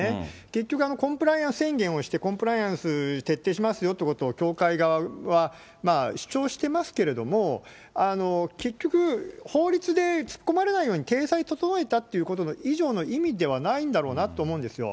結局、コンプライアンス宣言をして、コンプライアンス徹底しますよということを教会側は主張してますけれども、結局、法律で突っ込まれないように体裁整えたということ以上の意味ではないんだろうなと思うんですよ。